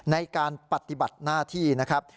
ในการปฏิบัติหน้าที่นะครับ